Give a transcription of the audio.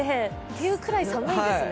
冬ぐらい寒いんですね。